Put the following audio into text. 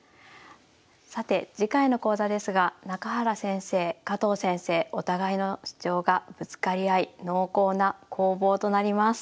さて次回の講座ですが中原先生加藤先生お互いの主張がぶつかり合い濃厚な攻防となります。